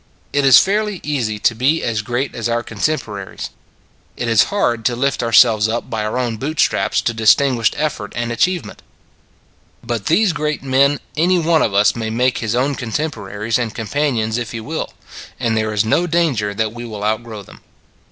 It is fairly easy to be as great as our contemporaries. It is hard to lift ourselves by our own boot straps to distinguished effort and achieve ment. But these great men, any one of us may make his own contemporaries and com panions if he will; and there is no danger that we will outgrow them.